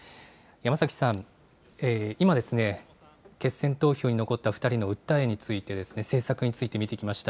山崎さん、今、決選投票に残った２人の訴えについて、政策について見てきました。